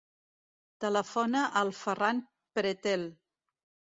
Telefona al Ferran Pretel.